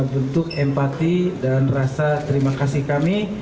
bentuk empati dan rasa terima kasih kami